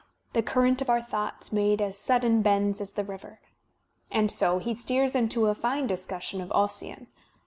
The current of our thoughts made as sudden bends as the river*' — and so he steers into a fine discussion of Ossian.